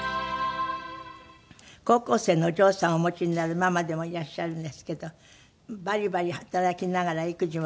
高校生のお嬢さんをお持ちになるママでもいらっしゃるんですけどバリバリ働きながら育児もする。